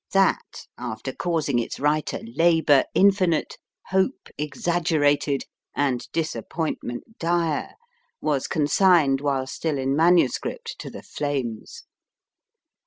That, after causing its writer labour in finite, hope exaggerated, and disappointment dire, was con signed, while still in manuscript, to the flames.